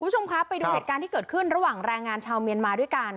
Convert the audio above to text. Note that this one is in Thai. คุณผู้ชมครับไปดูเหตุการณ์ที่เกิดขึ้นระหว่างแรงงานชาวเมียนมาด้วยกัน